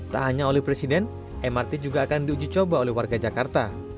tak hanya oleh presiden mrt juga akan diuji coba oleh warga jakarta